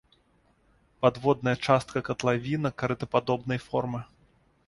Падводная частка катлавіна карытападобнай формы.